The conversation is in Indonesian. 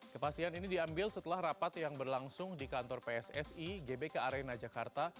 kepastian ini diambil setelah rapat yang berlangsung di kantor pssi gbk arena jakarta